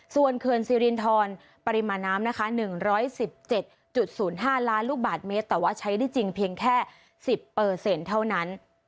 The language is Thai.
ส่วนเขื่อนสิรินทรปริมาณน้ำนะคะ๑๑๗๐๕ล้านลูกบาทเมตรแต่ว่าใช้ได้จริงเพียงแค่๑๐เท่านั้น